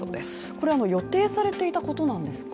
これは予定されていたことなんですか？